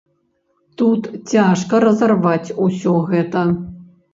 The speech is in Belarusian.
Тут цяжка разарваць усё гэта.